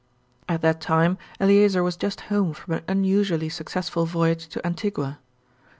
At that time Eleazer was just home from an unusually successful voyage to Antigua.